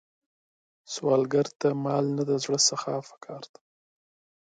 سوالګر ته د مال نه، د زړه سخا پکار ده